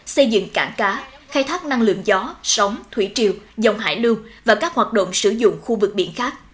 xây dựng cảng cá khai thác năng lượng gió sóng thủy triều dòng hải lưu và các hoạt động sử dụng khu vực biển khác